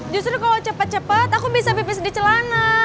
justru kalau cepat cepat aku bisa pipis di celana